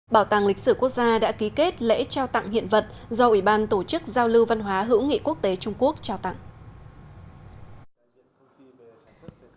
bảo tàng lịch sử quốc gia đã ký kết lễ trao tặng hiện vật do ủy ban tổ chức giao lưu văn hóa hữu nghị quốc tế trung quốc trao tặng